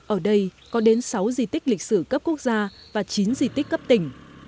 ở đây có đến sáu di tích lịch sử cấp quốc gia và chín di tích cấp tỉnh